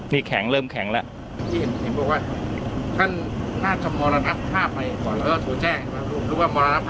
นี่แข็งเริ่มแข็งแล้ว